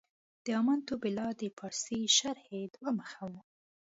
د امنت بالله د پارسي شرحې دوه مخه و.